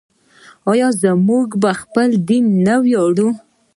آیا موږ په خپل دین نه ویاړو؟